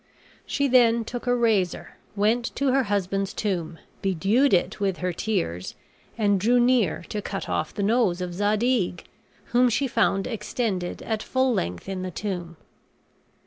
She then took a razor, went to her husband's tomb, bedewed it with her tears, and drew near to cut off the nose of Zadig, whom she found extended at full length in the tomb.